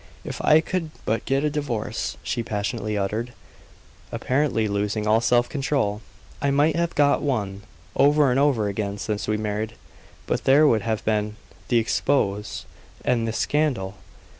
"If I could but get a divorce!" she passionately uttered, apparently losing all self control. "I might have got one, over and over again, since we married, but there would have been the expose and the scandal.